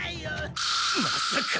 まさか。